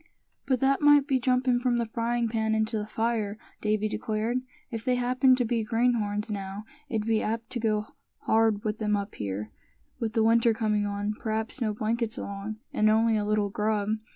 "But that might be jumpin' from the frying pan into the fire," Davy declared. "If they happened to be greenhorns, now, it'd be apt to go hard with 'em up here, with the winter comin' on, p'raps no blankets along, and only a little grub.